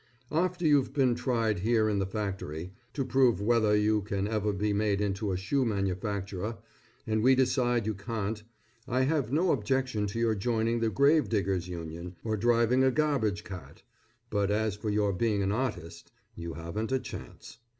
After you've been tried here in the factory, to prove whether you can ever be made into a shoe manufacturer, and we decide you can't; I have no objection to your joining the grave diggers union, or driving a garbage cart, but as for your being an artist, you haven't a chance.